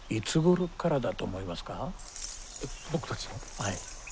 はい。